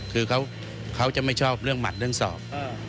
คือเขาจะไม่ชอบเรื่องหมัดเรื่องสอบ